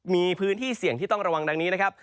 มีพื้นที่เสี่ยงที่ต้องระวังดังนี้นะครับ